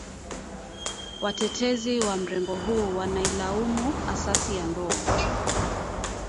Watetezi wa mrengo huu wanailaumu asasi ya ndoa